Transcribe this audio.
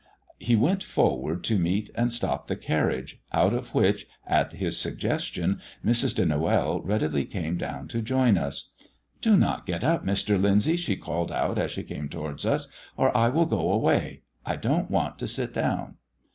He went forward to meet and to stop the carriage, out of which, at his suggestion, Mrs. de Noël readily came down to join us. "Do not get up, Mr. Lyndsay," she called out as she came towards us, "or I will go away. I don't want to sit down."